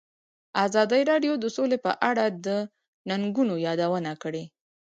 ازادي راډیو د سوله په اړه د ننګونو یادونه کړې.